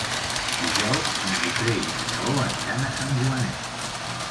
Dijous en Guifré i en Lleó aniran a Sant Joanet.